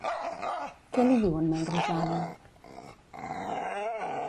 Què li diu en Melrosada?